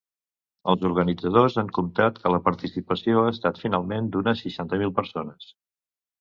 Els organitzadors han comptat que la participació ha estat finalment d’unes seixanta mil persones.